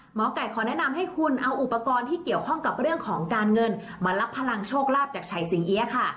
หมอไก่ขอแนะนำให้คุณเอาอุปกรณ์ที่เกี่ยวข้องกับเรื่องของการเงินมารับพลังโชคลาภจากชัยสิงเอี๊ยะค่ะ